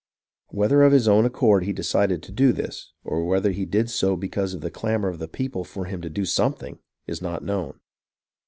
Whether of his own accord he decided to do this, or whether he did so be cause of the clamour of the people for him to do something, is not known.